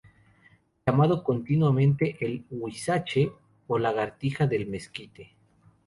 Llamado comúnmente "el huizache" o "lagartija del mezquite".